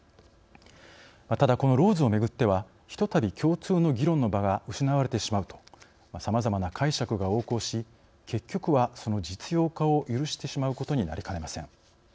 また、ただこのＬＡＷＳをめぐってはひとたび共通の議論の場が失われてしまうとさまざまな解釈が横行し結局はその実用化を許してしまうことになりかねません。